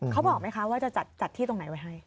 เขาบอกไหมคะว่าจะจัดที่ตรงไหนไว้ให้